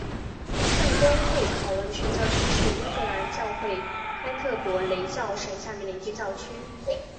圣公会考文垂教区是英格兰教会坎特伯雷教省下面的一个教区。